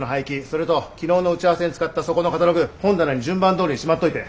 それと昨日の打ち合わせに使ったそこのカタログ本棚に順番どおりにしまっといて。